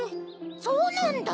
そうなんだ。